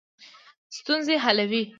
ستونزې حلوي.